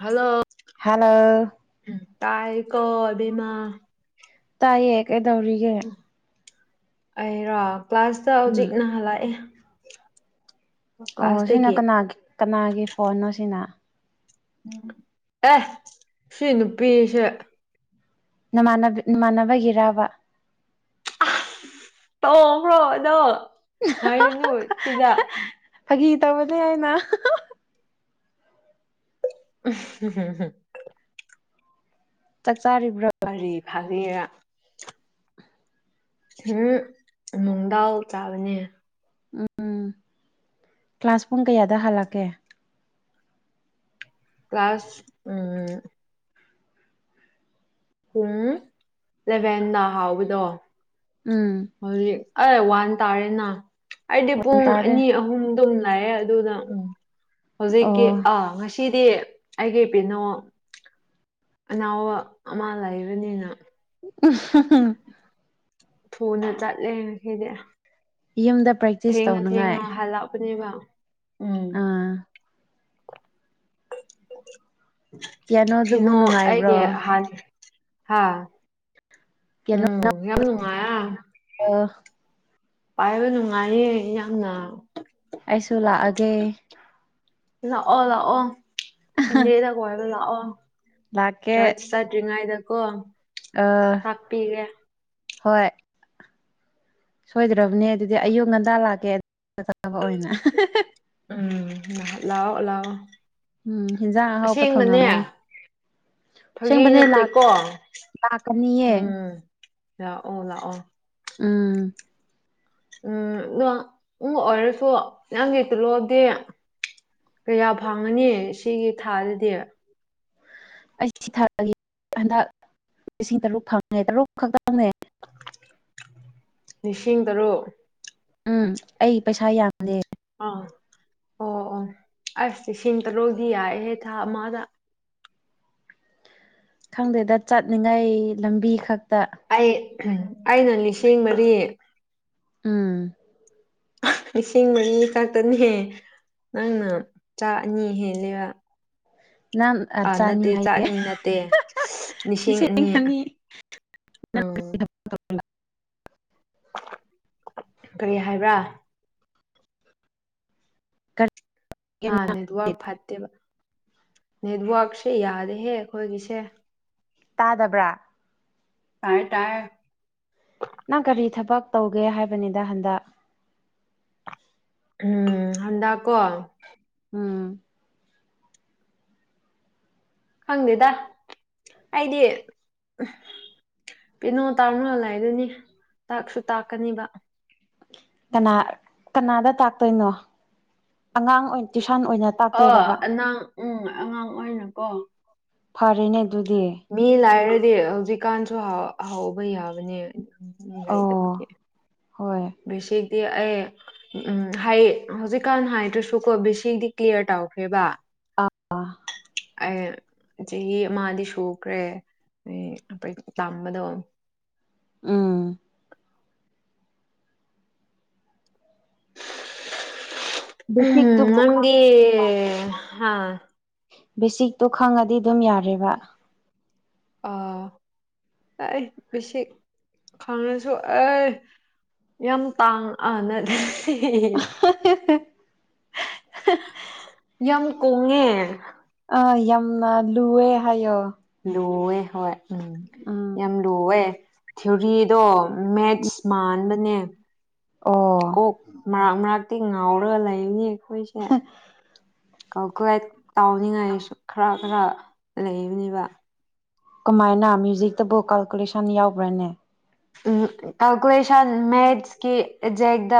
hello hello ꯇꯥꯏ ꯀꯣꯕꯕꯤꯃ ꯇꯥꯏꯌꯦ ꯀꯩꯗꯧꯔꯤꯒꯦ ꯑꯩꯔꯣ ꯀ꯭ꯂꯥꯁꯇ ꯍꯧꯖꯤꯛ ꯎꯝ ꯅꯍꯜ ꯂꯥꯛꯑꯦ ꯑꯣ ꯁꯤꯅ ꯀꯅꯥꯒꯤ ꯀꯅꯥꯒꯤ ꯐꯣꯟꯅꯣ ꯁꯤꯅ ꯑꯦ ꯁꯤꯅꯄꯤꯁꯦ ꯅꯃꯥꯟ ꯅꯃꯥꯟꯅꯕꯒꯤꯔꯕ ꯇꯣꯡꯕ꯭ꯔꯣ ꯑꯗꯣ ꯍꯥꯏꯔꯨꯅꯨ ꯁꯤꯗ ꯐꯥꯒꯤ ꯇꯧꯕꯅꯦ ꯍꯥꯏꯅ ꯝ ꯆꯥꯔꯤꯕ꯭ꯔ ꯑ ꯎꯝ ꯅꯨꯡꯗꯥꯎ ꯆꯥꯕꯅꯦ ꯎꯝ ꯀ꯭ꯂꯥꯁ ꯄꯨꯡ ꯀꯌꯥꯗ ꯍꯜꯂꯛꯀꯦ ꯀ꯭ꯂꯥꯁ ꯎꯝ ꯄꯨꯡ ꯂꯂꯦꯚꯦꯟꯅ ꯍꯥꯎꯕꯗꯣ ꯎꯝ ꯍꯧꯖꯤꯛ ꯑ ꯋꯥꯟ ꯇꯥꯔꯦꯅ ꯑꯩꯗꯤ ꯄꯨꯡ ꯑꯅꯤ ꯑꯍꯨꯝꯗꯨꯝ ꯑꯗꯨ ꯎꯝ ꯍꯧꯖꯤꯛꯀꯤ ꯑꯣ ꯑ ꯉ ꯁꯤꯗꯤ ꯑꯩꯒꯤ ꯏ ꯄꯅꯣ ꯑꯅꯥꯎꯕ ꯑꯃ ꯂꯩꯕꯅꯤꯅ ꯎ ꯊꯨꯅ ꯆꯠꯂꯦ ꯍꯥꯏꯗꯤ ꯌꯨꯝꯗ ꯄ꯭ꯔꯦꯛꯇꯤꯁ ꯊꯦꯡꯉꯣ ꯊꯦꯡꯉꯣ ꯇꯧꯅꯉꯥꯏ ꯍꯥꯜꯂꯛꯄꯅꯦꯕ ꯑꯥ ꯄꯤꯌꯥꯅꯣꯗꯨꯕꯨ ꯀꯩꯅꯣ ꯑꯩꯒꯤ ꯅꯨꯡꯉꯥꯏꯕ꯭ꯔꯣ ꯑꯍꯥꯟꯕ ꯍꯥꯥ ꯎꯝ ꯌꯥꯝꯅꯅꯨꯡ ꯑ ꯀ ꯄꯥꯏꯕ ꯅꯨꯡꯉꯥꯏꯌꯦ ꯌꯥꯝꯅ ꯑꯩꯁꯨ ꯂꯥꯛꯑꯒꯦ ꯂꯥꯛꯑꯣ ꯂꯥꯛꯑꯣ ꯁꯟꯗꯦꯗ ꯀꯣꯏꯕ ꯂꯥꯛꯑꯣ ꯂꯥꯛꯀꯦ ꯆꯔꯆ ꯆꯠꯇ꯭ꯔꯤꯉꯩꯗ ꯀꯣ ꯑꯥ ꯇꯥꯛꯄꯤꯒꯦ ꯍꯣꯏ ꯁꯣꯏꯗ꯭ꯔꯕꯅꯦ ꯑꯗꯨꯗꯤ ꯑꯌꯨꯛ ꯉꯟꯇꯥ ꯂꯥꯛꯀꯦ ꯆꯥꯕ ꯑꯣꯏꯅ ꯑꯣꯂ ꯎꯝ ꯍꯟꯖꯥꯡ ꯑꯍꯥꯎꯕ ꯊꯣꯡꯉꯝꯃꯣ ꯐꯥꯒꯤ ꯑꯁꯦꯡꯕꯅꯦ ꯂꯥꯛ ꯅꯠꯇꯦꯀꯣ ꯂꯥꯛꯀꯅꯤꯌꯦ ꯎꯝ ꯂꯥꯛꯑꯣ ꯂꯥꯛꯑꯣ ꯎꯝ ꯎꯝ ꯑꯗꯣ ꯎꯕ ꯑꯣꯏꯔꯁꯨ ꯅꯪꯗꯤ ꯇꯤꯜꯂꯣꯗꯤ ꯀꯌꯥ ꯐꯪꯉꯅꯤ ꯁꯤꯒꯤ ꯊꯥꯗꯗꯤ ꯑꯩꯁꯤ ꯊꯥꯒꯦ ꯍꯟꯗꯛ ꯂꯤꯁꯤꯡ ꯇꯔꯨꯛ ꯐꯪꯉꯦ ꯇꯔꯨꯛ ꯈꯛꯇꯪꯅꯦ ꯂꯤꯁꯤꯡ ꯇꯔꯨꯛ ꯎꯝ ꯑꯩ ꯄꯩꯁꯥ ꯌꯥꯝꯗꯦ ꯑꯥ ꯑꯣ ꯑꯣ ꯑꯁ ꯁꯤꯁꯤꯡ ꯇꯔꯨꯛꯗꯤ ꯌꯥꯏꯦꯍꯦ ꯊꯥ ꯑꯃꯗ ꯈꯪꯗꯦꯗ ꯆꯠꯅꯤꯡꯉꯥꯏ ꯂꯝꯕꯤ ꯈꯛ ꯑꯩ ꯑꯩꯅ ꯂꯤꯁꯤꯡ ꯃꯔꯤ ꯑꯝ ꯂꯤꯁꯤꯡ ꯃꯔꯤ ꯉꯥꯛꯇꯅꯤꯍꯦ ꯅꯪꯅ ꯆꯥ ꯑꯅꯤ ꯍꯦꯜꯂꯕ ꯅꯪ ꯑꯥ ꯆꯥꯅꯤ ꯅꯠꯇꯦ ꯍꯥꯏꯌꯦ ꯆꯥꯛꯅꯤ ꯅꯠꯇꯦ ꯂꯤꯁꯤꯡ ꯑꯅꯤ ꯑꯣ ꯎ ꯀꯔꯤ ꯍꯥꯏꯕ꯭ꯔꯥ ꯀꯔꯤ ꯍꯥꯥ ꯅꯦꯠꯋꯔꯛ ꯐꯠꯇꯦꯕ ꯅꯦꯠꯋꯔꯛꯁꯦ ꯌꯥꯔꯦꯍꯦ ꯑꯩꯈꯣꯏꯒꯤꯁꯦ ꯇꯥꯗꯕ꯭ꯔꯥ ꯇꯥꯏ ꯇꯥꯏ ꯅꯪ ꯀꯔꯤ ꯊꯕꯛ ꯇꯧꯒꯦ ꯍꯥꯏꯕꯅꯤꯗ ꯍꯟꯗꯛ ꯎꯝ ꯍꯟꯗꯀꯣ ꯎꯝ ꯈꯪꯗꯦꯗ ꯑꯩꯗꯤ ꯄꯅꯣ ꯇꯥꯡꯣꯂꯗꯨꯅꯤ ꯇꯥꯛꯁꯨ ꯇꯥꯛꯀꯅꯤꯕ ꯀꯅꯥ ꯀꯅꯥꯗ ꯇꯥꯛꯇꯣꯏꯅꯣ ꯑꯉꯥꯡ ꯑꯣꯏꯅ ꯇ ꯑꯥ ꯑꯉꯥꯡ ꯎꯝ ꯑꯉꯥꯡ ꯑꯣꯏꯅꯀꯣ ꯐꯔꯦꯅꯦ ꯑꯗꯨꯗꯤ ꯃꯤ ꯂꯥꯏꯔꯗꯤ ꯍꯧꯖꯤꯛꯀꯥꯟꯁꯨ ꯍꯥꯎꯕ ꯌꯥꯕꯅꯦ ꯂꯩꯗ ꯑꯣ ꯍꯣꯏ ꯀꯦ ꯁꯗꯤ ꯑꯦ ꯎꯝ ꯍꯥꯏ ꯍꯧꯖꯤꯛꯀꯥꯟ ꯍꯥꯏꯗ꯭ꯔꯁꯨ ꯀꯣ ꯕꯤꯁꯤꯗꯤ ꯀ꯭ꯂꯤꯌꯥꯔ ꯇꯧꯈ꯭ꯔꯦꯕ ꯑ ꯑꯦ ꯆꯍꯤ ꯑꯃꯗꯤ ꯁꯨꯈ꯭ꯔꯦ ꯎꯝ ꯑ ꯇꯝꯕꯗꯣ ꯑꯥ ꯎꯝ ꯕꯦꯁꯤꯛꯇꯨꯕꯨ ꯅꯪꯒꯦ ꯍꯥ ꯕꯦꯁꯤꯛꯇꯣ ꯈꯪꯉꯗꯤ ꯑꯗꯨꯝ ꯌꯥꯔꯦꯕ ꯑ ꯑꯩ ꯃꯤꯁꯤ ꯈꯪꯅꯁꯨ ꯑꯦ ꯌꯥꯝ ꯇꯥꯡ ꯑꯅꯗꯤ ꯌꯥꯝ ꯀꯣꯡꯉꯦ ꯑꯥ ꯌꯥꯝꯅ ꯂꯨꯑꯦ ꯍꯥꯏꯌꯣ ꯂꯨꯋꯦ ꯍꯣꯏ ꯎꯝ ꯎꯝ ꯌꯥꯝ ꯂꯨꯑꯦ ꯊꯤꯑꯣꯔꯤꯗꯣ ꯃꯦꯠꯁ ꯃꯥꯟꯕꯅꯦ ꯑꯣ ꯀꯣꯛ ꯃꯔꯛ ꯃꯔꯥꯛꯛꯇꯤ ꯉꯥꯎꯔꯒ ꯂꯩꯕꯅꯤ ꯑꯩꯈꯣꯏꯁꯦ ꯀꯀꯂꯥꯏ ꯇꯥꯎꯅꯤꯡꯉꯥꯏꯁꯨ ꯈꯔ ꯈꯔ ꯂꯩꯕꯅꯦꯕ ꯀꯃꯥꯏꯅ ꯃ꯭ꯌꯨꯖꯤꯛꯇꯕꯨ ꯀꯥꯜꯀꯨꯂꯦꯁꯟ ꯌꯥꯎꯕ꯭ꯔꯅꯦ ꯎꯝ ꯀꯜꯀꯨꯂꯦꯁꯟ ꯃꯦꯠꯁꯀꯤ ꯖꯦꯛꯗ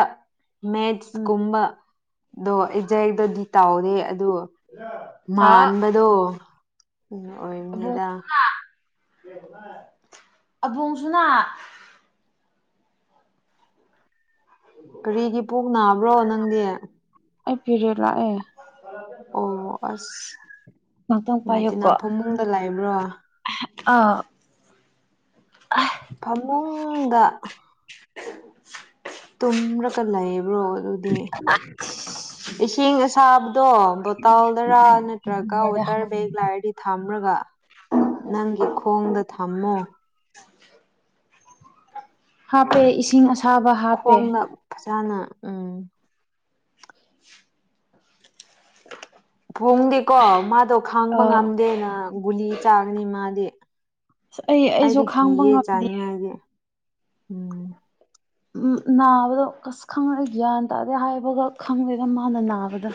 ꯃꯦꯠꯁ ꯎꯝ ꯀꯨꯝꯕꯗꯣ ꯑꯩꯖꯥꯏꯗꯗꯤ ꯇꯥꯎꯔꯦ ꯑꯗ ꯍꯥꯎ ꯃꯥꯟꯕꯗꯣ ꯀꯩꯅꯣ ꯑꯣꯏꯔꯅꯤꯗ ꯑꯕꯣꯡꯁꯨꯅ ꯀꯔꯤꯒꯤ ꯄꯨꯛ ꯅꯥꯕ꯭ꯔꯣ ꯅꯪꯗꯤ ꯑꯩ ꯄꯤꯔꯦ ꯂꯥꯛꯑꯦ ꯑꯣ ꯑꯁ ꯉꯥꯛꯇꯪ ꯉꯅꯨꯡꯉꯥꯏꯇꯦꯅ ꯄꯥꯏꯌꯨꯀꯣ ꯐꯃꯨꯡꯗ ꯂꯥꯛꯏꯕ꯭ꯔꯣ ꯑꯥ ꯐꯃꯨꯡꯗ [unintelligible] ꯭ꯔꯣ ꯑꯗꯨꯗꯤ ꯏꯁꯤꯡ ꯑꯁꯥꯕꯗꯣ ꯕꯣꯇꯥꯜꯗꯔꯥ ꯅꯠꯇ꯭ꯔꯒ ꯀ ꯑꯣꯇꯔ ꯕꯒ ꯂꯥꯛꯔꯗꯤ ꯊꯝꯔꯒ ꯅꯪꯒꯤ ꯈꯣꯡꯗ ꯊꯝꯃꯣ ꯎ ꯍꯥꯄꯦ ꯏꯁꯤꯡ ꯑꯁ ꯈꯣꯡꯗ ꯐꯖꯅ ꯎꯝ [inaudible] ꯐꯣꯡꯗꯤꯀꯣ ꯃꯥꯗꯣ ꯈꯥꯡꯕ ꯑꯥ ꯉꯝꯗꯦꯅ ꯒꯨꯂꯤ ꯆꯥꯒꯅꯤ ꯃꯥꯗꯤ ꯑꯁ ꯑꯩ ꯑꯩꯁꯨ ꯑꯩꯗꯤ ꯈꯥꯡꯕ ꯀꯤꯌꯦ ꯉꯝꯗꯦ ꯆꯥꯅꯤꯡꯉꯥꯏꯗꯤ ꯎꯝ ꯎꯝ ꯅꯥꯕꯗꯣ ꯀꯁ ꯈꯪꯉꯦ ꯒ꯭ꯌꯥꯟ ꯇꯥꯗꯦ ꯍꯥꯏꯕꯒ ꯈꯪꯗꯦꯗ ꯃꯥꯅ ꯅꯥꯕꯗ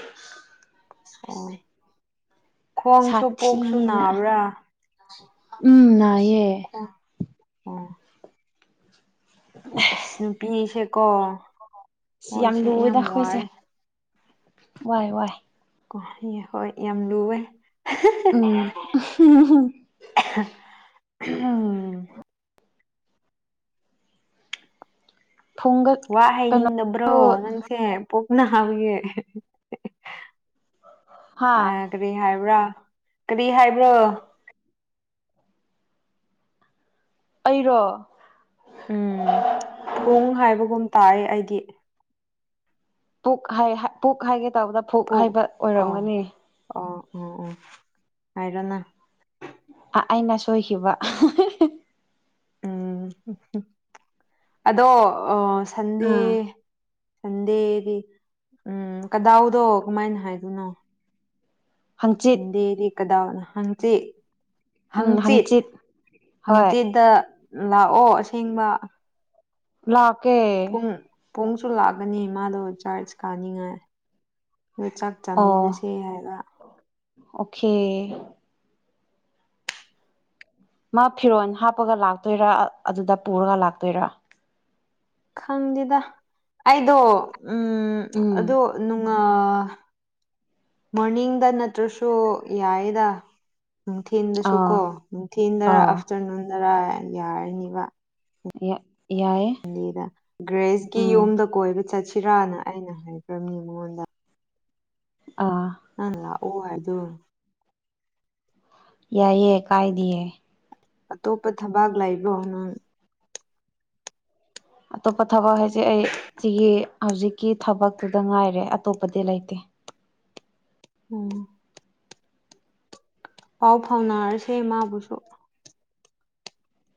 ꯑꯣ ꯈꯣꯡꯁꯨ ꯄꯣꯛꯁꯨ ꯁꯥꯊꯤꯅ ꯅꯥꯕ꯭ꯔꯥ ꯎꯝ ꯅꯑꯌꯦ ꯑ ꯑꯁ ꯅꯨꯄꯤꯁꯦ ꯀꯣ ꯁꯤ ꯌꯥꯝ ꯂꯨꯋꯦꯗ ꯑꯩꯈꯣꯏꯁꯦ ꯋꯥꯏ ꯋꯥꯏ ꯀ ꯍꯣꯏ ꯌꯥꯝ ꯂꯨꯋꯦ ꯎꯝ ꯑ ꯊꯣꯡꯒꯠ ꯋꯥ ꯀꯩꯅꯣ ꯍꯥꯏꯩꯅꯤꯡꯗꯕ꯭ꯔꯣ ꯅꯪꯁꯦ ꯄꯣꯛꯅ ꯍꯥꯕꯒꯤꯦ ꯍꯥ ꯑ ꯀꯔꯤ ꯍꯥꯏꯕ꯭ꯔꯥ ꯀꯔꯤ ꯍꯥꯏꯕ꯭ꯔꯣ ꯑꯩꯔꯣ ꯎꯝ ꯐꯣꯡ ꯍꯥꯏꯕꯒꯨꯝ ꯇꯥꯏ ꯑꯩꯗꯤ ꯄꯨꯛ ꯄꯨꯛ ꯍꯥꯏꯒꯦ ꯇꯧꯕꯗ ꯄꯨꯛ ꯍꯥꯏꯕ ꯑꯣꯏꯔꯝꯒꯅꯤ ꯑꯣꯝ ꯑꯣꯝ ꯍꯥꯏꯔꯅ ꯑꯩꯅ ꯁꯣꯏꯈꯤꯕ ꯎꯝ ꯑꯗꯣ ꯑ ꯁꯟꯗꯦ ꯎꯝ ꯁꯟꯗꯦꯗꯤ ꯎꯝ ꯀꯗꯥꯎꯗꯣ ꯀꯃꯥꯏꯅ ꯍꯥꯏꯗꯣꯏꯅꯣ ꯍꯪꯆꯤꯠ ꯅꯟꯗꯦꯔꯤ ꯀꯗꯥꯥꯎꯅ ꯍꯪꯁꯦ ꯍꯪꯆꯤꯠ ꯍꯣꯏ ꯍꯪꯆꯤꯠꯗ ꯂꯥꯛꯑꯣ ꯑꯁꯦꯡꯕ ꯂꯥꯛꯀꯦ ꯄꯨꯡ ꯄꯨꯡꯁꯨ ꯂꯥꯛꯀꯅꯤ ꯃꯥꯗꯣ ꯆꯥꯔꯖ ꯀꯥꯅꯤꯡꯉꯥꯏ ꯑꯣ ꯆꯥꯛ ꯑꯣ ꯆꯥꯃꯤꯟꯅꯁꯦ ꯍꯥꯏꯔ ꯑꯣꯀꯦ ꯃꯥ ꯐꯤꯔꯣꯟꯜ ꯍꯥꯞꯄꯒ ꯂꯥꯛꯇꯣꯏꯔꯥ ꯑꯗꯨꯗ ꯄꯨꯔꯒ ꯂꯥꯛꯇꯣꯏꯔ ꯈꯪꯗꯦꯗ ꯑꯩꯗꯣ ꯎꯝ ꯎꯝ ꯑꯗꯣ ꯃꯣꯔꯅꯤꯡꯗ ꯅꯠꯇ꯭ꯔꯁꯨ ꯌꯥꯔꯗ ꯅꯨꯡꯊꯤꯟꯗꯁꯨ ꯑꯥ ꯀꯣ ꯅꯨꯡꯊꯤꯟꯗꯔꯥ ꯑꯥ ꯑꯥꯐꯇꯔꯅꯨꯟꯗꯔ ꯌꯥꯔꯅꯤꯕ ꯏ ꯗ ꯒ꯭ꯔꯦꯁꯀꯤ ꯎꯝ ꯌꯨꯝꯝꯗ ꯀꯣꯏꯕ ꯆꯠꯁꯤ ꯁꯤꯤꯔꯥꯅ ꯑꯩꯅ ꯍꯥꯏꯈ꯭ꯔꯝꯃꯤ ꯃꯉꯣꯟꯗ ꯑꯥ ꯑꯣ ꯑꯗꯣ ꯌꯥꯏꯌꯦ ꯀꯥꯏꯗꯤꯌꯦ ꯑꯇꯣꯞꯄ ꯊꯕꯥꯛ ꯂꯩꯕ꯭ꯔꯣ ꯅꯪ ꯑꯇꯣꯞꯄ ꯊꯕꯛ ꯍꯥꯏꯁꯦ ꯑꯩ ꯁꯤꯒꯤ ꯍꯧꯖꯤꯛꯀꯤ ꯊꯕꯛꯇꯨꯗ ꯉꯥꯏꯔꯦ ꯑꯇꯣꯞꯄꯗꯤ ꯂꯩꯇꯦ ꯎꯝ ꯄꯥꯎ ꯐꯥꯎꯅꯔꯁꯦ ꯃꯥꯕꯨꯁꯨ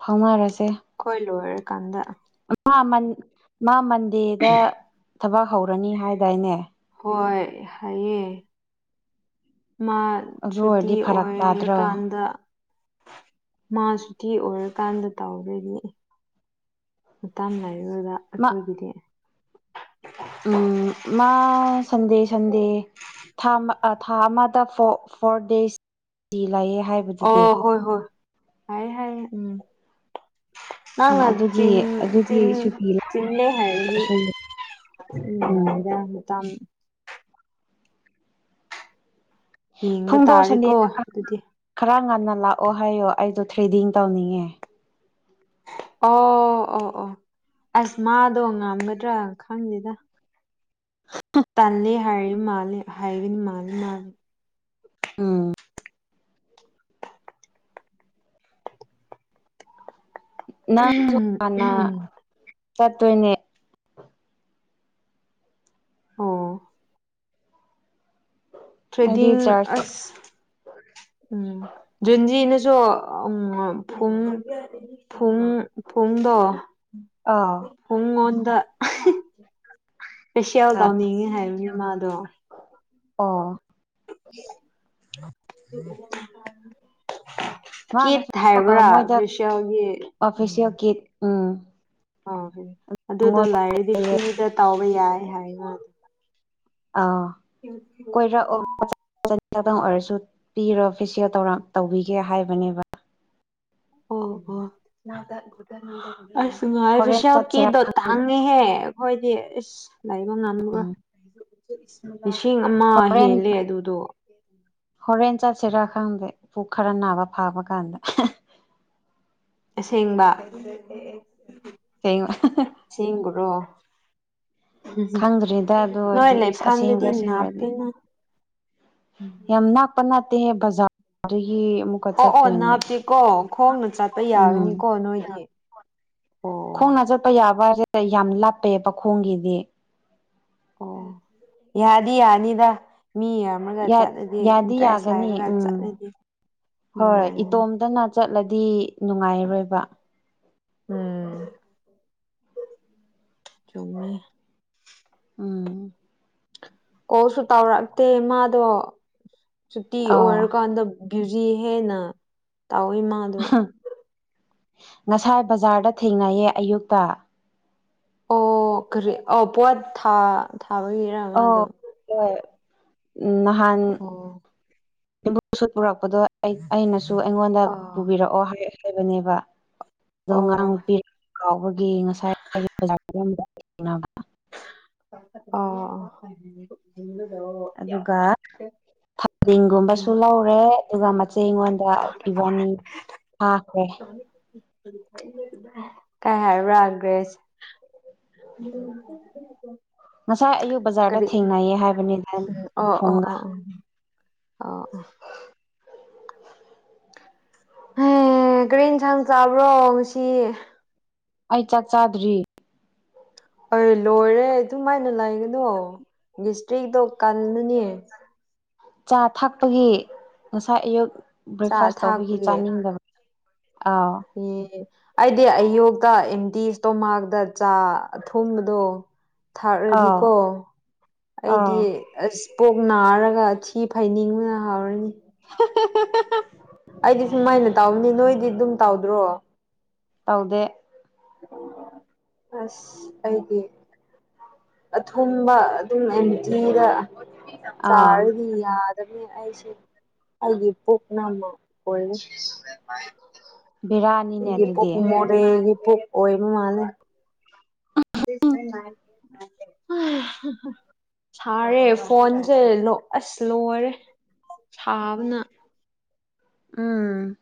ꯐꯥꯎꯉꯔꯁꯤꯦ ꯀꯣꯏ ꯂꯨ ꯀꯥꯟꯗ ꯃꯥꯟ ꯃꯥ ꯃꯟꯗꯦꯗ ꯊꯕꯛ ꯍꯧꯔꯅꯤ ꯍꯥꯏꯗꯥꯏꯅꯦ ꯍꯣꯏ ꯍꯥꯏꯌꯦ ꯃꯥ ꯑꯗꯨ ꯁꯨꯇꯤ ꯑꯣꯏꯔꯗꯤ ꯐꯔꯛ ꯇꯥꯗ꯭ꯔꯣ ꯑꯣꯏꯔꯀꯥꯟꯗ ꯃꯥ ꯁꯨꯇꯤ ꯑꯣꯏꯔꯀꯥꯟꯗ ꯇꯥꯎꯔꯣꯏꯅꯤ ꯃꯇꯥꯡ ꯥꯏꯔꯨꯔꯗ ꯃꯥ ꯑꯩꯈꯣꯏꯒꯤꯗꯤ ꯎꯝ ꯃꯥ ꯁꯟꯗꯦ ꯁꯟꯗꯦ ꯊꯥ ꯑꯃ ꯊꯥ ꯑꯃꯗ ꯐꯣꯔ ꯗꯦꯁ ꯂꯌꯦ ꯑꯣ ꯍꯣꯏ ꯍꯣꯏ ꯍꯥꯏ ꯍꯥꯏ ꯎꯝ ꯅ ꯑ ꯆ ꯑꯗꯨꯒꯤ ꯑꯗꯨꯒꯤ ꯆꯤꯟ ꯁꯨꯇꯤ ꯆꯤꯜꯂꯦ ꯍꯥꯏꯅꯤ ꯂꯥꯛꯑꯁꯨ ꯎꯝ ꯑꯗꯨꯗ ꯌꯦꯡꯕ ꯐꯨꯡꯗꯣ ꯇꯥꯔꯦꯀꯣ ꯁꯟꯗꯦꯗ ꯑꯗꯨꯗꯤ ꯈꯔ ꯉꯟꯅ ꯂꯥꯛꯑꯣ ꯍꯥꯏꯌꯣ ꯑꯩꯗꯣ ꯊ꯭ꯔꯦꯗꯤꯡ ꯇꯧꯅꯤꯡꯉꯦ ꯑꯣ ꯑꯣ ꯑꯣ ꯑꯁ ꯃꯥꯗꯣ ꯉꯝꯒꯗ꯭ꯔꯥ ꯈꯪꯗꯦꯗ ꯇꯜꯂꯤꯦ ꯍ ꯃꯥꯜꯂꯤ ꯍꯩꯕꯤꯤꯟ ꯃꯥꯜꯂꯤ ꯃꯥꯕꯤ ꯎꯝ [inaudible] [inaudible] ꯅꯪꯁꯨ ꯍꯥꯟꯅ ꯆꯠꯇꯣꯏꯅꯦ ꯑꯣ ꯇ꯭ꯔꯦꯗꯤ ꯑꯩꯗꯤ ꯆꯥꯔꯖ ꯑꯁ ꯎꯝꯖꯨꯟꯖꯤ ꯣ ꯎꯝ ꯐꯨꯡ ꯐꯨꯡ ꯐꯨꯡꯗꯣ ꯑꯥ ꯍꯉꯣꯗ ꯄꯦꯁꯤꯦꯜ ꯇꯧꯅꯤꯡꯉꯤ ꯍꯥꯏꯔꯨꯅꯦ ꯃꯥꯗꯣ ꯑ ꯑꯗꯨ ꯃꯥ ꯅ ꯃꯣꯏꯗ ꯐꯦꯁꯤꯌꯦꯜꯒꯤ ꯑꯣꯐꯤꯁꯦꯜ ꯀꯤꯠ ꯎꯝ ꯑꯣꯣꯏ ꯑꯗꯨꯗꯣ ꯑꯩꯉꯣꯟꯗ ꯂꯥꯏꯔꯗꯤ ꯍꯥꯏꯌꯦ ꯐ꯭ꯤꯗ ꯇꯥꯎꯕ ꯌꯥꯏ ꯍꯥꯏꯅ ꯑꯥ ꯀꯣꯏꯔꯛꯑꯣ ꯃꯇꯪ ꯑꯣꯏꯔꯁꯨ ꯄꯤꯔꯣ ꯐꯦꯁꯤꯌꯦꯜ ꯇꯧꯕꯤꯒꯦ ꯍꯥꯏꯕꯅꯦꯕ ꯑꯣ ꯍꯣ ꯑꯁ ꯉꯥꯏ ꯐ ꯍꯣꯔꯦꯟ ꯆꯠꯁꯤꯔꯥ ꯁꯦꯜꯀꯤꯗꯣ ꯇꯥꯡꯉꯤꯍꯦ ꯑꯩꯈꯣꯏꯗꯤ ꯑꯁ ꯂꯩꯕ ꯉꯝꯕ꯭ꯔꯥ ꯎꯝ ꯂꯤꯁꯤꯡ ꯑꯃ ꯍꯣꯔꯦꯟ ꯍꯦꯜꯂꯦ ꯑꯗꯨꯗꯣ ꯍꯣꯔꯦꯟ ꯆꯠꯁꯤꯔꯥ ꯈꯪꯗꯦ ꯄꯨꯛ ꯈꯔ ꯅꯥꯕ ꯐꯥꯕ ꯀꯥꯟꯗ ꯑꯁꯦꯡꯕ ꯁꯦꯡꯕ ꯁꯦꯡꯕꯨꯔꯣ ꯈꯪꯗ꯭ꯔꯤꯗ ꯎ ꯅꯣꯏ ꯑꯗꯨꯗꯤ ꯂꯩꯐꯝꯥꯝꯗꯨꯗꯤ ꯑꯁꯦꯡꯕ꯭ꯔꯥ ꯑꯁꯦꯡꯕ꯭ꯔꯗꯤ ꯅꯥꯞꯄꯤꯅ ꯌꯥꯝ ꯅꯅꯥ ꯄꯅꯥꯦ ꯍ ꯖ ꯑꯣ ꯑꯣ ꯅꯥꯞꯇꯦꯀꯣ ꯈꯣꯡꯅ ꯆꯥꯠꯄ ꯎꯝ ꯌꯥꯒꯅꯤꯀꯣ ꯅꯣꯏꯗꯤ ꯑꯣ ꯈꯣꯡꯅ ꯆꯠꯄ ꯌꯥꯕꯁꯦ ꯌꯥꯝ ꯂꯥꯞꯄꯩꯑꯕ ꯈꯣꯡꯒꯤꯗꯤ ꯑꯣ ꯌꯥꯗꯤ ꯌꯥꯅꯤꯗ ꯃꯤ ꯌꯥꯝꯝꯃꯒ ꯌꯥꯠ ꯆꯠꯂꯗꯤ ꯌꯥꯗꯤ ꯏꯟꯇꯔꯦꯁ ꯌꯥꯒꯅꯤ ꯂꯩꯔꯒ ꯎꯝ ꯆꯠꯂꯗꯤ ꯍꯣꯏ ꯅꯨꯡꯉꯥꯏꯒꯅꯤ ꯏꯇꯣꯝꯇꯅ ꯆꯠꯂꯗꯤ ꯅꯨꯡꯉꯥꯏꯔꯣꯏꯕ ꯎꯝ ꯆꯨꯝꯃꯤ ꯎꯝ ꯀꯁꯨ ꯇꯧꯔꯛꯇꯦ ꯃꯥꯗꯣ ꯁꯨꯇꯤ ꯑꯣ ꯑꯣꯏꯔꯀꯥꯟꯗ ꯕ꯭ꯌꯨꯖꯤ ꯍꯦꯟꯅ ꯇꯥꯎꯋꯏꯃꯗꯣ ꯉꯁꯥꯏ ꯕꯖꯥꯔꯗ ꯊꯦꯡꯅꯩꯌꯦ ꯑꯌꯨꯛꯇ ꯑꯣ ꯀꯔꯤ ꯑ ꯄꯣꯠ ꯊꯥꯕꯒꯤꯔ ꯃꯥꯗꯣ ꯎ ꯅꯍꯥꯟ ꯑꯣ ꯄꯨꯔꯛꯄꯗꯣ ꯑꯩꯅꯁꯨ ꯁꯨ ꯑꯩꯉꯣꯟꯗ ꯑꯣ ꯄꯨꯕꯤꯔꯛꯑꯣ ꯍꯥꯏ ꯍꯥꯏꯕꯅꯦꯕ ꯑꯗꯣ ꯑꯣ ꯉꯔꯥꯡ ꯄꯤꯔꯛ ꯐꯥꯎꯕꯒꯤ ꯉꯁꯥꯏꯦꯡꯅꯕ ꯑ ꯑꯗꯨꯒ ꯊꯥꯗꯤꯡꯒꯨꯝꯕꯁꯨ ꯂꯧꯔꯦ ꯑꯗꯨꯒ ꯃꯆꯦ ꯑꯩꯉꯣꯟꯗ ꯏꯕꯥꯅꯤ ꯑ ꯍꯦ ꯀꯥꯏ ꯍꯥꯏꯕ꯭ꯔꯒ꯭ꯔꯦꯁ ꯎꯝ ꯉꯁꯥꯏ ꯑꯌꯨꯛ ꯕꯖꯥꯔꯗ ꯀꯔꯤ ꯊꯦꯡꯅꯩꯌꯦ ꯍꯥꯏꯕꯅꯤꯗ ꯎꯝ ꯑꯣ ꯑꯣ ꯐꯨꯡꯒ ꯑꯣ ꯑ ꯑ ꯍ ꯀꯔꯤꯦꯟꯟꯁꯥꯡ ꯆꯥꯕ꯭ꯔꯣ ꯉꯁꯤ ꯑꯩ ꯆꯥꯛ ꯆꯥꯗ꯭ꯔꯤ ꯑꯩ ꯂꯣꯏꯔꯦ ꯑꯗꯨꯝꯃꯥꯏꯅ ꯂꯥꯛꯒꯅꯣ ꯁꯇ꯭ꯔꯤꯛꯇꯣ ꯀꯜꯂꯅꯦ ꯆꯥ ꯊꯥꯛꯄꯒꯤ ꯉꯁꯥꯏ ꯑꯌꯨꯛ ꯆꯥ ꯕ꯭ꯔꯦꯛꯐꯥꯁ ꯇꯧꯕꯒꯤ ꯊꯥꯛꯄꯒꯤ ꯆꯥꯅꯤꯡꯗꯕ ꯑꯥꯎ ꯑꯦ ꯑꯩꯗꯤ ꯑꯌꯣ ꯇ ꯏꯟꯗꯤꯁ ꯇꯣꯃꯥꯛꯇ ꯆꯥ ꯑꯊꯨꯝꯕꯗꯣ ꯑꯥꯎ ꯊꯥꯥꯛꯔꯗꯤꯀꯣ ꯑꯩꯗꯤ ꯑꯥꯎ ꯑꯁ ꯄꯣꯛ ꯅꯥꯔꯒ ꯊꯤ ꯐꯩꯅꯤꯡꯕꯅ ꯍꯥꯎꯔꯅꯤ [unintelligible] ꯑꯩꯗꯤ ꯁꯨꯡꯃꯥꯏꯅ ꯇꯥꯎꯕꯅꯤ ꯅꯣꯏꯗꯤ ꯑꯗꯨꯝ ꯇꯧꯗ꯭ꯔꯣ ꯇꯧꯗꯦ ꯑꯁ ꯑꯩꯒꯤ ꯑꯊꯨꯝꯕ ꯑꯗꯨꯝ ꯑꯦꯝꯊꯤꯗ ꯑꯥ ꯆꯥꯔꯗꯤ ꯌꯥ ꯑꯩꯁꯦ ꯑꯩꯒꯤ ꯄꯨꯛꯅ ꯑꯃ ꯑꯣꯏꯦ ꯕꯤꯔꯥꯅꯤꯅꯦ ꯑꯩꯒꯤ ꯄ ꯑꯗꯨꯗꯤ ꯃꯣꯔꯦꯒꯤ ꯄꯣꯛ ꯑꯣꯏꯕ ꯃꯥꯂꯦ [unintelligible] ꯁꯥꯔꯦ ꯐꯣꯟꯁꯦ ꯑꯁ ꯂꯣꯏꯔꯦ ꯁꯥꯕꯅ ꯎꯝ